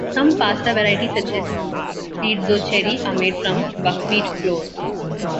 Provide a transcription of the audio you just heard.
Some pasta varieties, such as pizzoccheri, are made from buckwheat flour.